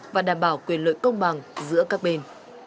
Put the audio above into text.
và đảm bảo quyền lợi công bằng giữa các bên